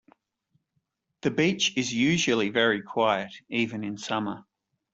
The beach is usually very quiet, even in summer.